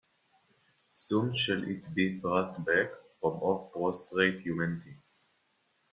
Soon shall it be thrust back from off prostrate humanity.